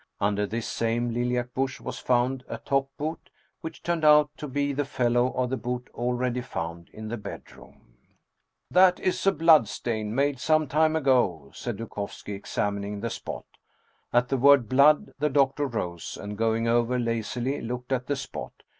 Under this same lilac bush was found a top boot, which turned out to be the fellow of the boot already found in the bedroom. " That is a blood stain made some time ago," said Dukovski, examining the spot. At the word " blood " the doctor rose, and going over lazily, looked at the spot.